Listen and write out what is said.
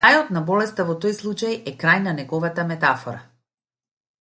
Крајот на болеста во тој случај е крај на неговата метафора.